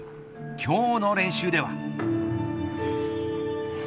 今日の練習では。